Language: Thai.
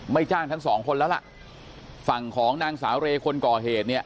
จ้างทั้งสองคนแล้วล่ะฝั่งของนางสาวเรคนก่อเหตุเนี่ย